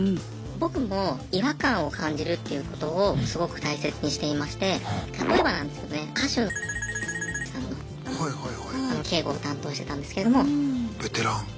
僕も違和感を感じるっていうことをすごく大切にしていまして例えばなんですけどね歌手のさんの警護を担当してたんですけども。ベテラン。